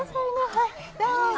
はいどうぞ。